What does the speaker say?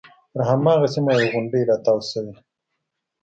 پر هماغه سیمه یوه غونډۍ راتاو شوې.